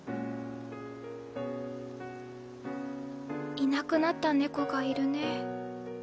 いなくなった猫がいるね。